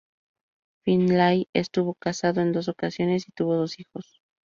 Finlay estuvo casado en dos ocasiones y tuvo dos hijos.